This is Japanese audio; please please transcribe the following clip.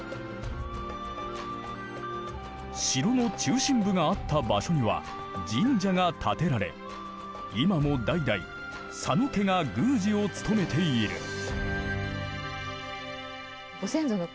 城の中心部があった場所には神社が建てられ今も代々佐野家が宮司を務めている。